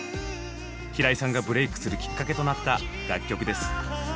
平井さんがブレイクするきっかけとなった楽曲です。